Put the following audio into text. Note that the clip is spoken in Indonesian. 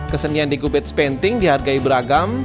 kesenian decoupage painting dihargai beragam